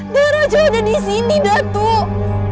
dan raja ada di sini datuk